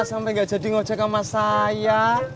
sampai gak jadi ngojek sama saya